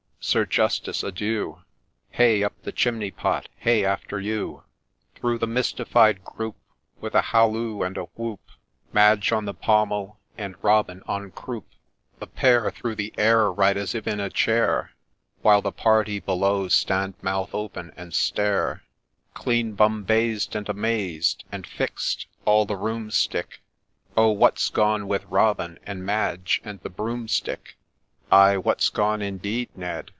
— Sir Justice, adieu !—— Hey up the chimney pot ! hey after you I ' Through the mystified group, With a halloo and a whoop, Madge on the pommel, and Robin en croupe, The pair through the air ride as if in a chair, While the party below stand mouth open and stare ;' Clean bumbaized ' and amazed, and fix'd, all the room stick, ' Oh ! what 's gone with Robin, — and Madge, — and the broom stick ?' Ay, ' what 'B gone ' indeed, Ned